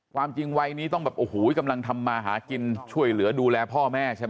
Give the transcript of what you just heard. ความจริงวัยนี้ต้องแบบโอ้โหกำลังทำมาหากินช่วยเหลือดูแลพ่อแม่ใช่ไหม